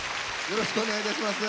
よろしくお願いします。